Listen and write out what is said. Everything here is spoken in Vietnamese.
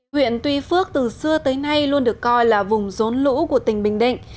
huyện tuy phước từ xưa tới nay luôn được coi là vùng rốn lũ của tỉnh bình định